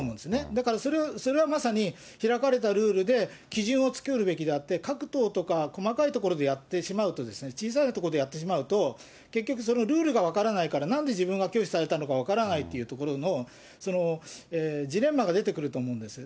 だから、それはまさに開かれたルールで基準を作るべきであって、各党とか細かいところでやってしまうと、小さいところでやってしまうと、結局、そのルールが分からないからなんで自分が拒否されたのか分からないというところの、ジレンマが出てくると思うんです。